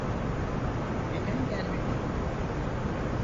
Neden gelmedin?